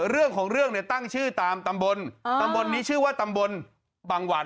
เรื่องของเรื่องเนี่ยตั้งชื่อตามตำบลตำบลนี้ชื่อว่าตำบลบางหวัน